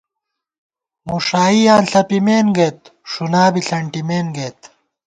مُݭائیاں ݪپِمېن گئیت، ݭُنا بی ݪَنٹِمېن گئیت